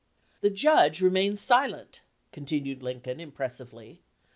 "The judge remains silent/' continued Lin coln, impressively.